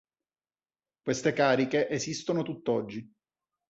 Queste cariche esistono tutt'oggi.